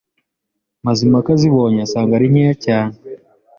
Mazimpaka azibonye asanga ari nkeya cyane,